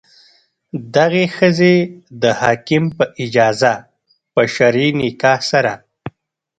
دغې ښځې د حاکم په اجازه په شرعي نکاح سره.